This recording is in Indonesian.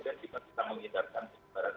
jadi kita menghindarkan kecebaran